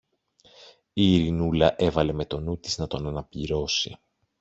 Η Ειρηνούλα έβαλε με το νου της να τον αναπληρώσει.